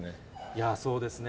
いや、そうですね。